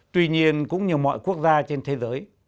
tuy nhiên cũng như mọi quốc gia trên thế giới